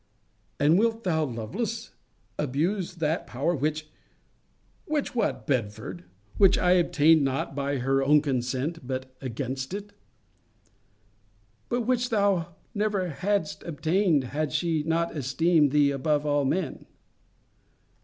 'And wilt thou, Lovelace, abuse that power which ' Which what, Belford? Which I obtained not by her own consent, but against it. 'But which thou never hadst obtained, had she not esteemed thee above all men.'